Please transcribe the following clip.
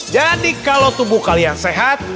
jadi kalau tubuh kalian sehat